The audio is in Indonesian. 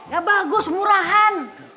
gak bagus murahan